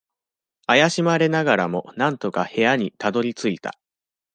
怪しまれながらも、なんとか部屋にたどり着いた。